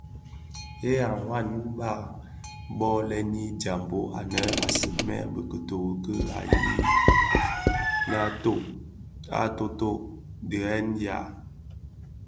Hei dhi wanne ubaa bō: lènni, jambhog anèn a sigmèn bi kituri bisulè ǎyi tokkèn tokkèn dhidenèn dya.